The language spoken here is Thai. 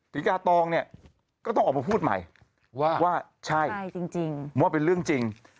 ฐิกาตองก็ต้องออกมาพูดใหม่ว่าใช่ว่าเป็นเรื่องจริง